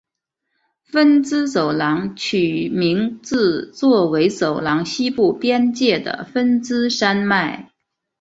芬兹走廊取名自作为走廊西部边界的芬兹山脉。